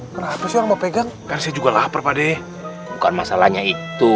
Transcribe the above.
berapa sih mau pegang kan saya juga lapar pade bukan masalahnya itu